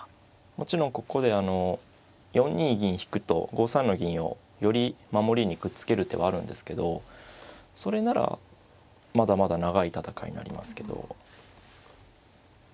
もちろんここで４二銀引と５三の銀をより守りにくっつける手はあるんですけどそれならまだまだ長い戦いになりますけど。